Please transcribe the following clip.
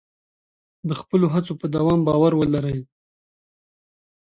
د خپلو هڅو په دوام باور ولرئ.